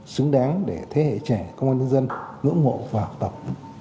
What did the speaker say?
xứng đáng để thế hệ trẻ công an nhân dân ưỡng hộ và học tập